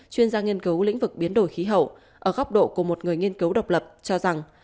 chuyên gia nghiên cứu lĩnh vực biến đổi khí hậu ở góc độ của một người nghiên cứu độc lập cho rằng